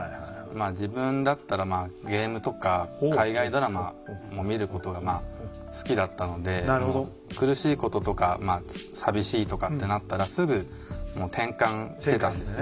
自分だったらまあゲームとか海外ドラマも見ることが好きだったので苦しいこととかまあ寂しいとかってなったらすぐもう転換してたんですよ。